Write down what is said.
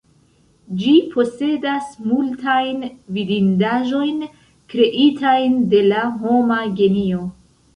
Ĝi posedas multajn vidindaĵojn, kreitajn de la homa genio.